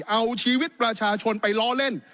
เอาชีวิตประชาชนไปล้อเล่น